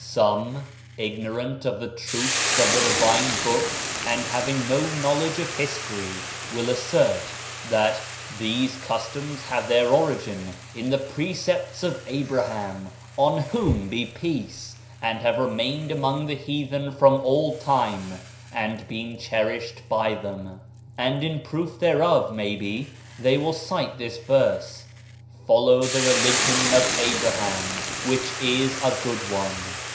Some, ignorant of the truths of the divine Book, and having no knowledge of history, will assert that "These customs have their origin in the precepts of Abraham (on whom be peace 1) and have remained among the heathen from all time, and been cherished by them." And in proof there of, maybe, they will cite this verse : "Follow the religion of Abraham, which is a good one."